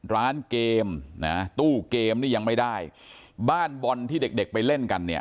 ร้านเกมนะตู้เกมนี่ยังไม่ได้บ้านบอลที่เด็กเด็กไปเล่นกันเนี่ย